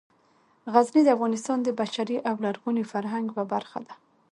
غزني د افغانستان د بشري او لرغوني فرهنګ یوه برخه ده.